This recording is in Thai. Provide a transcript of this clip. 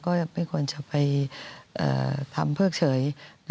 ก็ไม่ควรจะไปทำเพิกเฉย